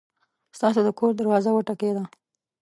ستاسو د کور دروازه وټکېده!